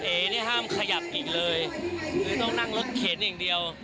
เอ๋เนี่ยห้ามขยับอีกเลยต้องนั่งรถเข็นอย่างเดียว